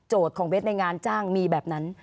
ของเบสในงานจ้างมีแบบนั้น